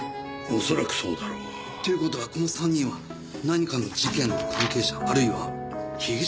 恐らくそうだろう。という事はこの３人は何かの事件の関係者あるいは被疑者という事でしょうか？